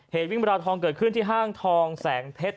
เหตุวิ่งราวทองเกิดขึ้นที่ห้างทองแสงเพชร